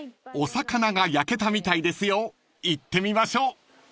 ［お魚が焼けたみたいですよ行ってみましょう］